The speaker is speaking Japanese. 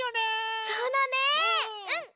そうだねうん！